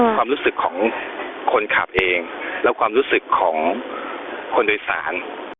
ความรู้สึกของคนขับเองและความรู้สึกของคนโดยสาร